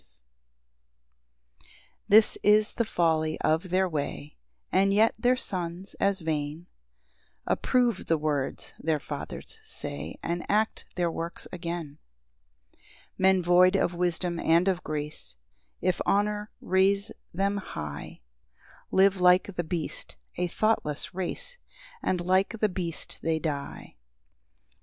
PAUSE. 8 This is the folly of their way; And yet their sons, as vain, Approve the words their fathers say, And act their works again. 9 Men void of wisdom and of grace, If honour raise them high. Live like the beast, a thoughtless race, And like the beast they die.